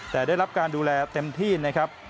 แต่ได้รับการดูแลเต็มที่นะครับ